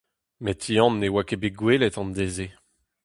Met Yann ne oa ket bet gwelet an deiz-se.